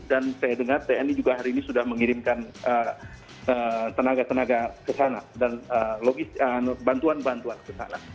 dan saya dengar tni juga hari ini sudah mengirimkan tenaga tenaga ke sana dan bantuan bantuan ke sana